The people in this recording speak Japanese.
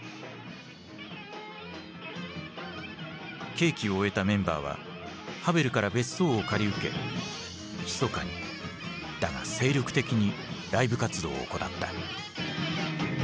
刑期を終えたメンバーはハヴェルから別荘を借り受けひそかにだが精力的にライブ活動を行った。